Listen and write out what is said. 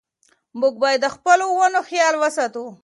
موږ باید د خپلو ونو خیال وساتو.